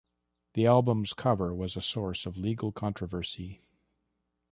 The album's cover was a source of legal controversy.